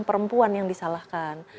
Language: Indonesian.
perempuan yang disalahkan